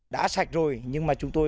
đã sạch rồi nhưng mà chúng